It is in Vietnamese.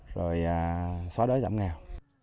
rồi xóa đỡ giảm nghèo